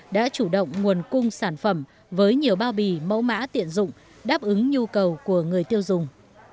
đã chủ động nguồn cung sản phẩm với nhiều bao bì mẫu mã tiện dụng đáp ứng nhu cầu của người tiêu dùng